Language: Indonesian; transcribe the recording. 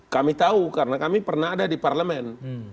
kami tahu karena kami pernah ada di parlemen